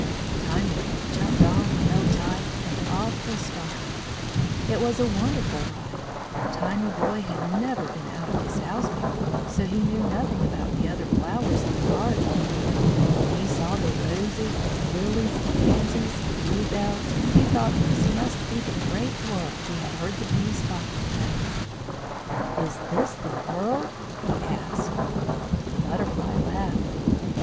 Tinyboy jumped on and held tight, and off they started. It was a wonderful ride. Tinyboy had never been out of his house before, so he knew nothing about the other flowers in the garden. When he saw the roses and lilies and pansies and bluebells he thought this must be the great world he had heard the bees talking about. "Is this the world?" he asked. The Butterfly laughed.